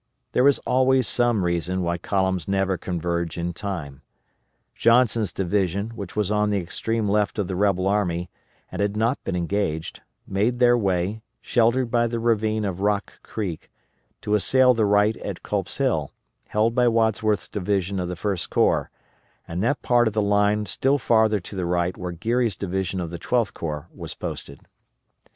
There is always some reason why columns never converge in time. Johnson's division, which was on the extreme left of the rebel army, and had not been engaged, made their way, sheltered by the ravine of Rock Creek, to assail the right at Culp's Hill, held by Wadsworth's division of the First Corps, and that part of the line still farther to the right where Geary's division of the Twelfth Corps was posted.